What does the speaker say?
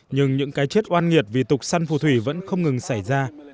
nhưng những cái chết oan nhiệt vì tục săn phù thủy vẫn không ngừng xảy ra